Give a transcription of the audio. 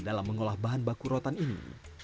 dalam mengolah bahan baku rotan ini